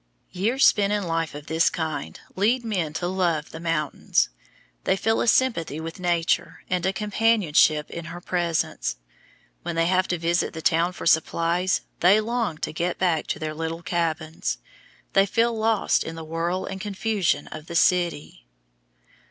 [Illustration: FIG. 98. MOUTH OF A TUNNEL] Years spent in life of this kind lead men to love the mountains. They feel a sympathy with Nature and a companionship in her presence. When they have to visit the town for supplies, they long to get back to their little cabins. They feel lost in the whirl and confusion of the city.